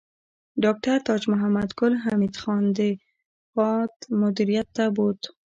ډاکټر تاج محمد ګل حمید خان د خاد مدیریت ته بوت